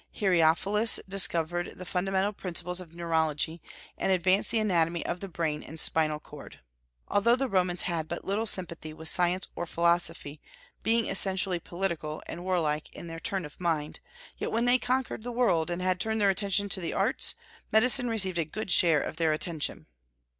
Herophilus discovered the fundamental principles of neurology, and advanced the anatomy of the brain and spinal cord. Although the Romans had but little sympathy with science or philosophy, being essentially political and warlike in their turn of mind, yet when they had conquered the world, and had turned their attention to arts, medicine received a good share of their attention.